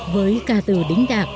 với ca từ đính đạc